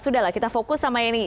sudah lah kita fokus sama ini